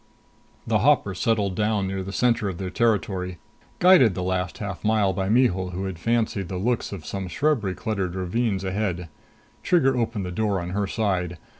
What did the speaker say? The hopper settled down near the center of their territory, guided the last half mile by Mihul who had fancied the looks of some shrub cluttered ravines ahead. Trigger opened the door on her side.